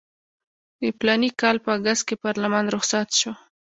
د فلاني کال په اګست کې پارلمان رخصت شو.